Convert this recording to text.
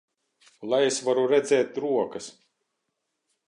Lai es varu redzēt rokas!